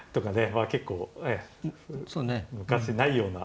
まあ結構昔ないような。